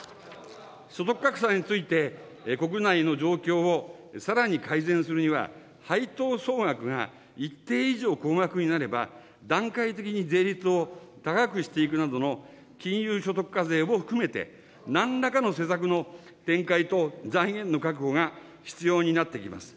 所得格差について、国内の状況をさらに改善するには、配当総額が一定以上高額になれば、段階的に税率を高くしていくなどの金融所得課税も含めて、なんらかの施策の展開と財源の確保が必要になってきます。